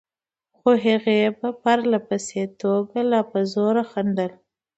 خو هغې په پرله پسې توګه لا په زوره خندل.